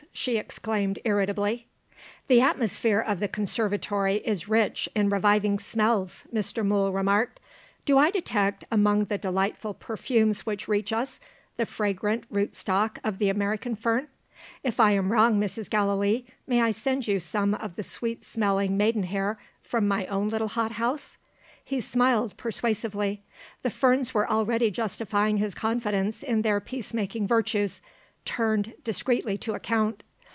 she exclaimed irritably. "The atmosphere of the conservatory is rich in reviving smells," Mr. Mool remarked. "Do I detect, among the delightful perfumes which reach us, the fragrant root stock of the American fern? If I am wrong, Mrs. Gallilee, may I send you some of the sweet smelling Maidenhair from my own little hot house?" He smiled persuasively. The ferns were already justifying his confidence in their peace making virtues, turned discreetly to account.